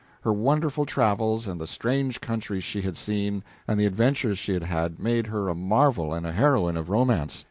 Her wonderful travels, and the strange countries she had seen and the adventures she had had, made her a marvel, and a heroine of romance.